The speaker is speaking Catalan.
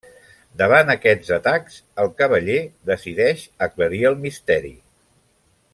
Davant aquests atacs, el cavaller decideix aclarir el misteri.